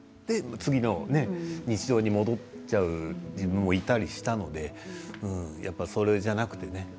次の日常に戻っちゃう自分もいたりしたのでそれじゃなくてね